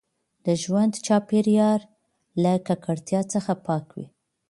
د ژوند چاپیریال له ککړتیا څخه پاک وي.